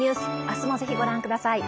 明日もぜひご覧ください。